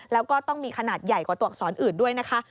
แล้วก็ต้องมีขนาดใหญ่กว่าตัวอักษรอื่นด้วยนะคะ